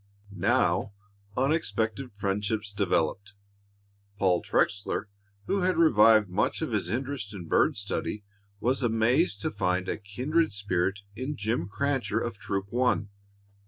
Now unexpected friendships developed. Paul Trexler, who had revived much of his interest in bird study, was amazed to find a kindred spirit in Jim Crancher of Troop One.